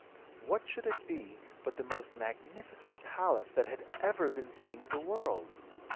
What should it be but the most magnificent palace that had ever been seen in the world?